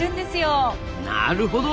なるほど！